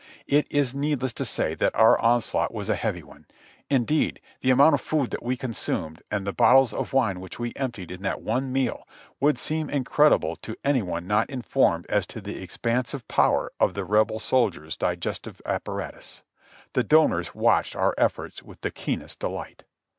It is needless to say that our onslaught was a heavy one ; indeed the amount of food that we consumed and the bottles of wine which we emptied in that one meal would seem incredible to any one not informed as to the expansive powder of the Rebel soldier's digestive apparatus. The donors w^atched our efforts with the keenest delight.